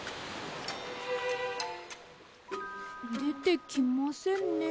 でてきませんね。